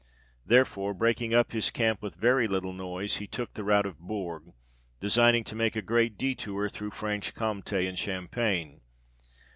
Therefore breaking up his camp with very little noise, he took the route of Bourg, designing to make a great detour through Franche Comte and Champagne.